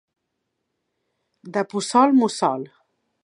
De Puçol, mussol.